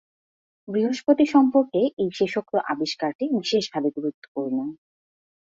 বৃহস্পতি সম্পর্কে এই শেষোক্ত আবিষ্কারটি বিশেষভাবে গুরুত্বপূর্ণ।